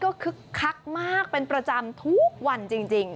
ก็คึกคักมากเป็นประจำทุกวันจริง